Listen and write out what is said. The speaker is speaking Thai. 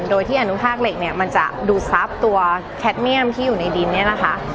โดยที่อนุภาคเหล็กเนี่ยมันจะดูทรัพย์ตัวแคทเมี่ยมที่อยู่ในดินเนี่ยนะคะ